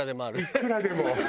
いくらでも。